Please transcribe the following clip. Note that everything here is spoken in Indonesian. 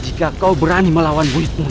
jika kau berani melawan wispun